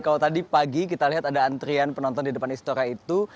kalau tadi pagi kita lihat ada antrian penonton di depan istora itu